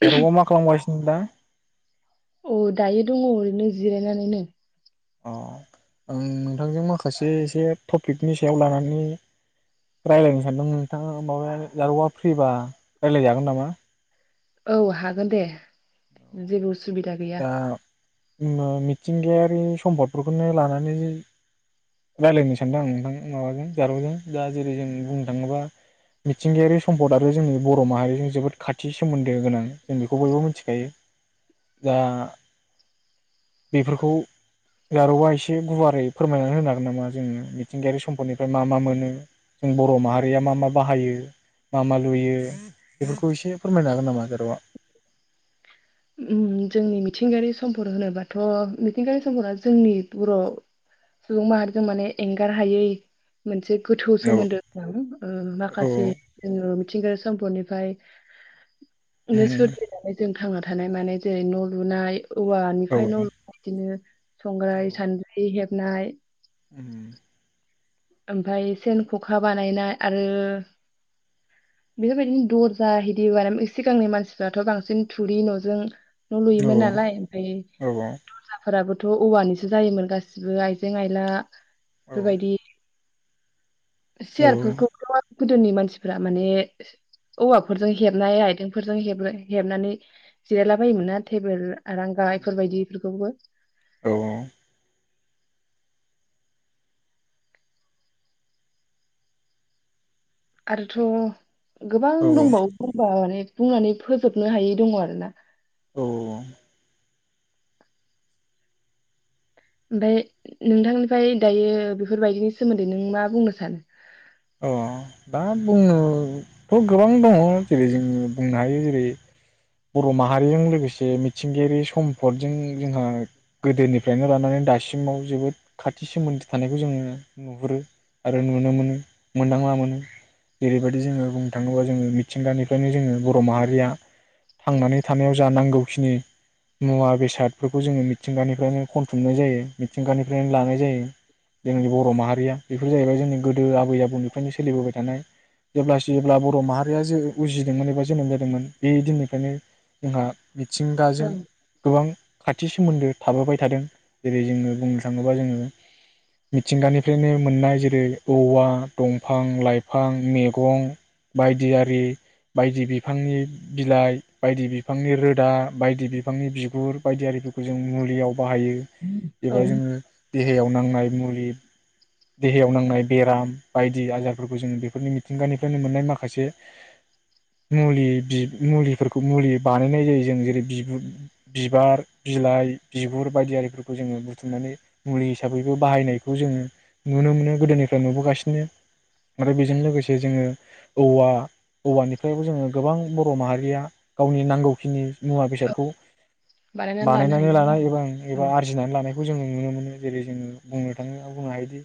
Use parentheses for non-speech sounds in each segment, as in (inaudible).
जारौवा मा खालामगासिनो? होनबा औ दायो दङ ओरैनो जिरायनानैनो अ आं नोंथांजों माखासे एसे टपिकनि सायाव लानानै रायलायनो सानदों नोंथाङा माबाया जारौआ फ्रिबा रायलायजागोन नामा? औ हागोन दे जेबो उ सुबिदा गैया ओ मिथिंगायारि सम्पदफोरखौनो लानानैनो रायलायनो सानदों आं नोंथां माबाजों जारौजों दा जेरै जों बुंनो थाङोबा मिथिंगायारि सम्दाथ' जोंनि बर' माहारिजों जोबोद खाथि सोमोन्दो गोनां जों बेखौ बयबो मिथिखायो दा बेफोरखौ जारौआ एसे गुवारै फोरमायनानै होनो हागोन नामा जोङो मिथिंगायारि सम्पदनिफ्राय मा मा मोनो जों बर' माहारिया मा मा बाहायो मा मा लुयो बेफोरखौ एसे फोरमायनो हागोन नामा जारौआ? उम जोंनि मिथिंगायारि सम्पद होनोबाथ' मिथिंगायारि सम्पदा जोंनि बर' सुबुं माहारिजों माने एंगार हायै मोनसे गोथौ औ सोमोन्दो जों ओ औ माखासे जोङो मिथिंगायारि सोम्पदनिफ्राय न सुरद औ (unintelligible) जों थांना था थानाय मानाय जेरै न' लुनाय औ औवानिफ्राय न' बिदिनो संग्राय सान्द्रि हेब नाय उम ओमफाय सेन, ख'खा बानायनाय आरो बेफोरबायदिनो दर्जा हिदि बानाय सिगांनि मानसिफ्राथ' बांसिन थुरि न'जों न' औ लुयोमोन नालाय ओमफाय दर्जाफोराबो थ' औवानिसो जायोमोन गासिबो आइजें-आइला बेफोरबायदि सियारफोरखौथ' गोदोनि मानसिफोरा माने औवाफोरजों हेबनाय आइदें फोरजों हेबना हेबनानै जिरायला बायोमोन ना टेबोल आरांगा इफोरबायदि (unintelligible) औ आरोथ' गोबां औ दंबावो (unintelligible) बुंनानै फोजोबनो हायै दङ आरो ना? (unintelligible) ओमफ्राय नोंथांनिफ्राय दायो बेफोरबायदिनि सोमोन्दै नों मा बुंनो सानो? अ दा बुंनोथ' गोबां दङ जेरै जोङो बुंनो हायो जेरै बर' माहारिजों लोगोसे मिथिंगायारि सम्फदजों जोंहा गोदोनिफ्रायनो लानानै दासिमाव जोबोद खाथि सोमोन्दो थानायखौ जोङो नुहुरो आरो नुनो मोनो । मोनदांला मोनो जेरैबायदि जोङो बुंनो थाङोबा जोङो मिथिंगानिफ्रायनो जोङो बर' माहारिया थांनानै थानायाव जा नांगौखिनि मुवा बेसादफोरखौ जोङो मिथिंगानिफ्रायनो खनथुमनाय जायो मिथिंगानिफ्रायनो लानाय जायो जोंनि बर' माहारिया बेफोर जाहैबाय जोंनि गोदो आबै आबौनि निफ्रायनो सोलिबोबाय थानाय जेब्ला जेब्ला बर' माहारिया उजिदोंमोन एबा जोनोम जादोंमोन बे दिननिफ्रायनो जोंहा मिथिंगाजों गोबां खाथि सोमोन्दो थाबोबाय थादों जेरै जोङो बुंनो थाङोबा जोङो मिथिंगानिफ्रायनो मोननाय जेरै औवा दंफां लाइफां मेगं बायदि आरि बायदि बिफांनि बिलाइ बायदि बिफांनि रोदा बायदि बिफांनि बिगुर बायदि आरिफोरखौ जों मुलियाव बाहायो औ एबा जोङो देहायाव नांनाय मुलि देहायाव नांनाय बेराम बायदि आजारफोरखौ जोंङो बेफोरनि मिथिंगानिफ्रायनो मोननाय माखासे मुलि बि मुलिफोरखौ मुलि बानायनाय जायो जों जेरै बिगुद बिबार बिलाइ बिगुर बायदियिफोरखौ जोङो बुथुमनानै मुलि हिसाबैबो बाहायनायखौ जोङो नुनो मोनो गोदोनिफ्राय नुबोगासि नो आरो बेजों लोगोसे जोङो औवा औवानिफ्रायबो जोङो गोबां बर' माहारिया गावनि नांगौखिनि मुवा औ बेसादखौ लानो बानायनानै हायो माने लानाय एबा औ एबा आरजिनानै लानाय खौ जों नुनो मोनो जेरै जोङो बुंनो थाङो बुंनो हायोदि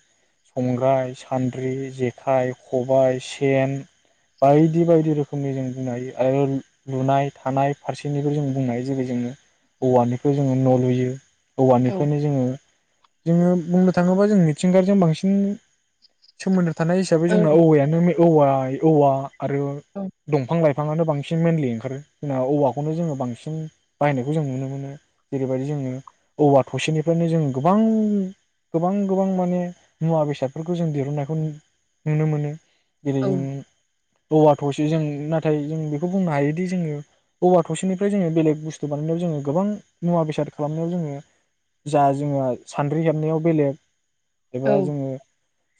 संग्राइ सानद्रि जेखाइ खबाइ सेन बायदि बायदि रोखोमनि जों बुंनो हायो आरो लुनाय थानाय फारसेनिबो जों बुंनो हायो जेरै जोङो औवानिखौ जोङो न लुयो औ औवानिफ्रायनो जोङो जोङो बुंनो थाङोबा जों मिथिंगाजों बांसिन सोमोन्दो थानाय हिसाबै औ जोंना औवायानो मेन औवा औवा आरो दंफां लाइ फाङानो बांसिन मेनलि ओंखारो जों औवाखौनो जोङो बांसिन बाहायनायखौ जों नुनो मोनो जेरैबायदि जोङो औवा थसेनिफ्रायनो जों गोबां गोबां गोबां माने मुवा बेसादफोरखौ जों दि हुननायखौ नुनो मोनो जेरै औ जों औवा थसे जों नाथाय जों बेखौ बुंनो हायोदि जोङो औवा थसेनिफ्राय जोङो बेलेग बुस्थु बानायनायाव जोङो गोबां मुवा बेसाद खालामनायाव जोङो जा जोंहा सान्द्रि हेबनायाव बेलेग एबा औ जोङो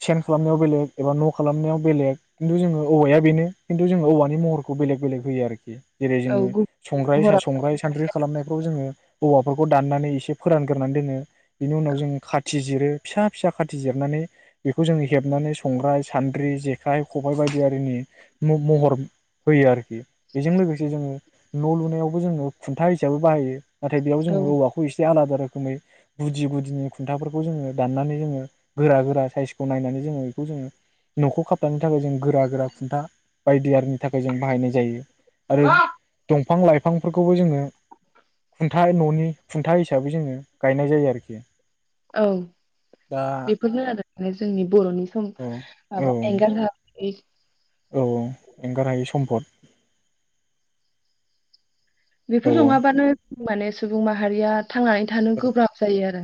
सेन खालामनायाव बेलेग एबा न' खालामनायाव बेलेग खिन्थु जोङो औवाया बेनो खिन्थु जोङो औवानि महरखौ बेलेग बेलेग होयो आरोखि जेरै औ जोङो गुबुन संग्राय संग्राय सानद्रि खालामनायफ्राव जोङो औवाफोरखौ दाननानै एसे फोरानग्रानै दोनो बेनि उनाव जों खाथि जिरो फिसा फिसा खाथि जिरनानै बेखौ जोङो हेबनानै संग्राय सान्द्रि जेखाइ खबाइ बायदि आरिनि महर होयो आरोखि बेजों लोगोसे जोङो न' लुनायावबो जोङो खुन्था हिसाबै बाहायो नाथाय बेयाव जोङो हराव औवाखौ एसे आलादा रो खोमै गुदि गुदिनि खुन्थाफोरखौ जोङो दाननानै जोङो गोरा गोरा साइस खौ नायनानै जोङो बेखौ जोङो न'खौ खाबथानो थाखाय जों गोरा गोरा खुन्था बायदि आरिनि थाखाय जों बाहायनाय जायो आरो औ दंफां लाइ फांफोरखौबो जोङो खुन्था न'नि खुन्था हिसाबै जोङो गायनाय जायो आरोखि औ दा बेफोरनो आरो जोंनि बर'नि सम औ औ माबा एंगारनो (unintelligible) औ एंगारहायै सम्पद औ बेफोर नङाबानो माने सुबुं मा हारिया थांनानै थानो गोब्राब जायो आरो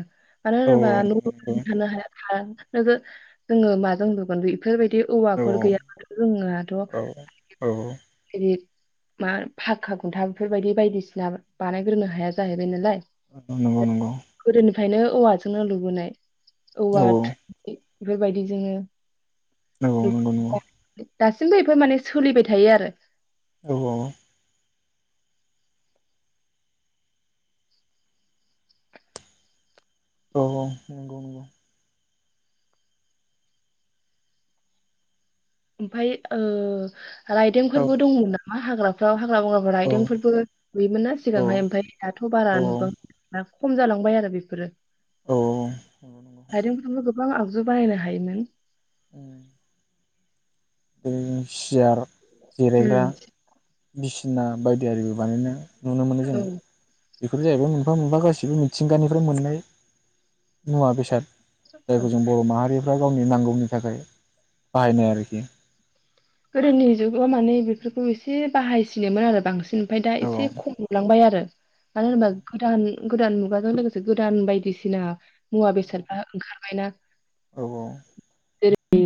मानो औ होनोबा न'आव थानो हाया जोङो माजों (unintelligible) बेफोरबायदि औवाफोर गैयाबाथ' औ (unintelligible) मा फाक्का खुन्था बेफोरबायदि बायदिसिना बानायग्रोनो हाया जाहैबाय नालाय नंगौ नंगौ ओंखायनो औवाजोंनो लुबोनाय औवा औ थोरि बेफोरबायदि जोङो औ नंगौ नंगौ (unintelligible) दासिमबो बेफोर माने सोलिबाय थायो आरो औ औ औ ओ नंगौ नंगौ ओमफाय ओ औ राइदोंफोरबो दंमोन ना मा हाग्राफ्राव हाग्रा बंग्राफोर औ रायदोंफोरबो नुयोमोन ना औ नंगौ औ सिगांहाय ओमफाय दाथ' बारा औ नुबां खम जालांबाय आरो बेफोरो औ नंगौ नंगौ आरो गोबां आगजु बानायनो हायोमोन उम उम चियार जिरायग्रा उम बिसिना बायदियारिबो बानायना नुनो मोनो जों औ बेफोर जाहैबाय मोनफा मोनफा गासिबो मिथिंगानिफ्राय मोननाय मुवा बेसाद औ जायखौ जों बर' माहारि फ्राव गावनि नांगौनि थाखाय बाहायनाय आरोखि गोदोनि जुगाव माने बेफोरखौ एसे बाहायसिनोमोन आरो बांसिन ओमफाय दा औ एसे खम नुलांबाय आरो मानो होनोबा गोदान गोदान मुगाजों लोगोसे गोदान बायदिसिना मुवा बेसादबा ओंखार बायना औ जेरै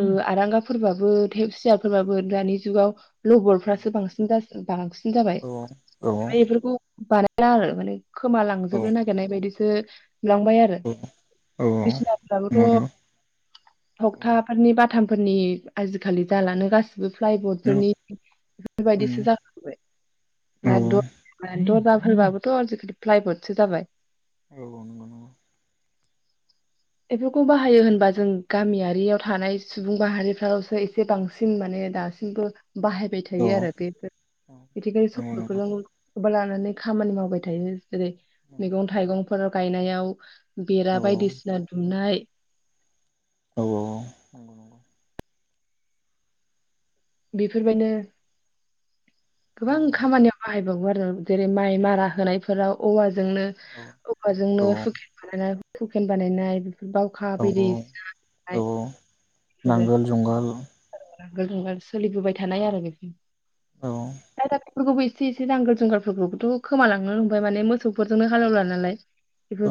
ओ आरांगाफोरबाबो सियाफोरबाबो दानि जुगाव लबरफ्रासो बांसिन गासि बां जाबाय औ आ बेफोरखौ बानाय स (unintelligible) खोमा लांजोबनो नागिरनाय बायदि दो लांबाय आरो औ बिसिनाफ्राबोथ' थगथाफोरनि बा थामफोरनि आजि खालि जालानो गासिनो नंगौ (unintelligible) फोरबाबोथ' नंगौ आजिखालि फ्लायबतसो जाबाय (unintelligible) बेफोरखौ बाहायो होनबा जों गामियारियाव थानाय सुबुं माहारिफ्रावसो एसे बांसिन माने दासिमबो बाहायबाय थायो आरो बेफोर बिथिगायारि औ नंगौ सम्पदफोर (unintelligible) लानानै खामानि मावबाय थायो । जेरै मैगं-थाइगं फोराव गायनायाव बेरा नंगौ बायदिसिना बेरा दुमनाय औ औ औ बेफोरबायनो गोबां नंगौ औ खामानियाव बा (unintelligible) जेरै माइ मारा होनायफोर औ जोंनो औ (unintelligible) हुकेन बानायनाय बावखा बायदि औ सिनाय औ बेफोरो नांगोल जंगाल (inaudible) सोलिबोबाय थानाय आरो बेफोर औ (unintelligible) (unintelligible) इसे एसे नांगोल जुंगालफोरखौबोथ' खोमालांनो हमबायमोन (unintelligible) मोसौफोरजोंनो हालेवला नालाय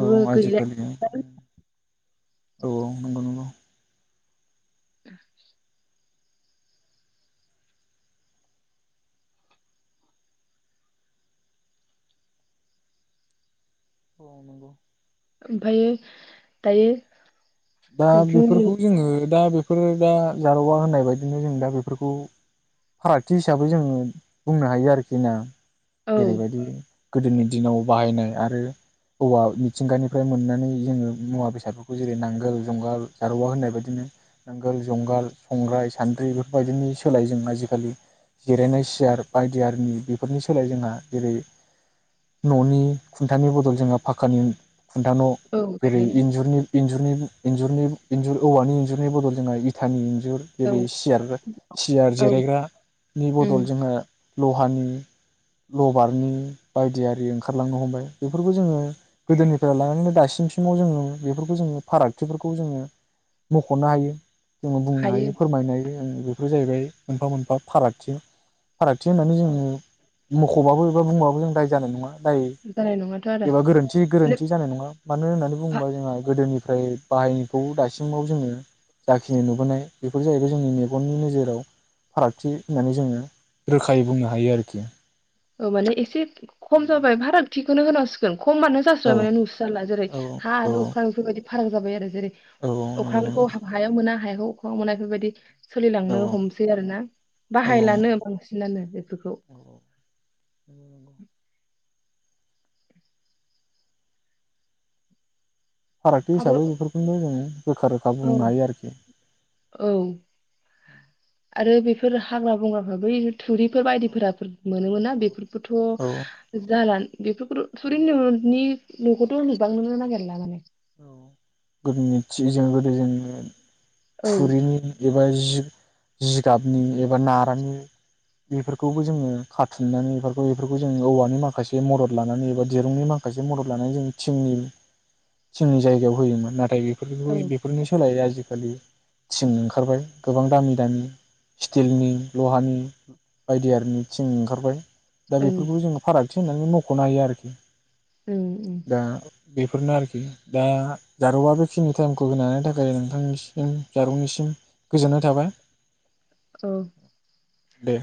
औ गैलि आजिखालि औ (unintelligible) औ नंगौ नंगौ (inaudible) अ नंगौ ओमफाय दायो दा नोंथांनि बेफोरखौ जोङो दा बेफोरो दा जारौवा होननाय बायदिनो जों दा बेफोरखौ फारागथि हिसाबै जोङो बुंनो हायो आरोखि ना औ जेरैबायदि गोदोनि दिनाव बाहायनाय आरो औवा मिथिंगानिफ्राय मोननानै जोङो मुवा बेसादफोरखौ जेरै नांगोल जुंगाल जारौवा होननाय बायदिनो नांगोल जुंगाल संग्राय सान्द्रि बेफोरबायायदिनि सोलाय जों आजिखालि जिरायनाय सियार बायदियनि बेफोरनि सोलाय जोंहा जेरै न'नि खुन्थानि बदल जोंहा फाखक्कानि खुन्था न' औ जेरै माने इन्जुरनि इन्जुरनि इन्जुरनि इन्जुर औवानि इन्जुरनि बदल जोंहा इटानि (unintelligible) औ जेरै सियार सियार औ जिरायग्रानि उम बदल जोङो लहानि लबारनि बायदियि ओंखारलांनो हमबाय बेफोरखौ जोङो गोदोनिफ्राय लानानैनो दासिमसिमाव जोङो बेफोरखौ जोङो फाराग न्थिफोरखौ जोङो मख'नो हायो जोङो बुंनो हायो फोरमायनो हायो बेफोर जाहैबाय मोनफा मोनफा फारागथि फारागथि होननानै जोंङो मख'बाबो एबा बुंबाबो जों दाय जानाय नङा दाय जानाय नङाथ' आरो एबा गोरोन्थि माने गोरोन्थि जानाय नङा मानो होननानै भा बुङोबा जोंहा गोदोनि ओमफाय बाहायनायखौ दासिमाव जोङो जाखिनि नुबोनाय बेफोर जाहैबाय जोंनि मेगननि नोजोराव फारागथि होननानै जोङो रोखायै बुंनो हायो आरोखि ओ माने एसे खम जाबाबाय फाराखथि खौनो होननांसिगोन खमबानो औ जास्राबाय नुस्राला जेरै औ हा आरो अख्रां बेफोरबायदि खारां जाबाय आरो जेरै औ औ नंगौ अख्रांखौ नंगौ हायाव मोना हायाव मना एफोरबायदि सोलिलांनो औ हमसै आरो ना औ बाहायलानो बांसिनानो बेफोरखौ औ (unintelligible) फारागथि आरो हिसाबै बेफोरखौनो जोंङो रोखा रोखा औ बुंनो हायो आरोखि औ आरो बेफोर हाग्रा बंग्राफ्राबो थुरिफोर बायदिफोराफोर मोनोमोना औ बेफोरखौथ' जाला बिफोरखौथ थुरि‌ होन नि न'खौथ' नुबांनोनो नागेरला माने औ गोदोनिथिजों गोदो जोंनो औ थुरिनि एबा जि जिगाबनि एबा नारानि बेफोरखौबो जोङो खाथुमनानै बेफोरखौ बेफोरखौ जो औवानि माखासे मदद लानानै एबा दिरुंनि माखासे मदद लानानै जों थिंनि थिंनि जायगायाव होयोमोन नाथाय बे ओं बेफोरनो सोलायै‌ आजि खालि थिं ओंखारबाय गोबां दामि दामि स्टिलनि लहानि बायदि आरिनि थिं ओंखारबाय दा बेफोरखौबो ओं जोङो फारागथि (unintelligible) मख'नो हायो आरोखि ओं दा बेफोरनो आरोखि दा जारौआ बेखिनि टाइमखौ होनो थाखाय नोंथांनिसिम जारौनिसिम गोजोननाय थाबाय औ दे